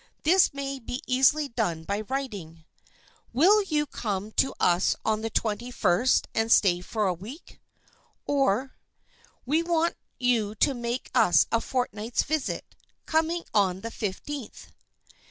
This may be easily done by writing—"Will you come to us on the twenty first and stay for a week?" or, "We want you to make us a fortnight's visit, coming on the fifteenth."